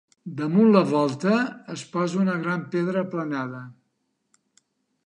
Damunt la volta es posa una gran pedra aplanada.